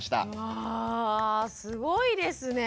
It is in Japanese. わあすごいですね。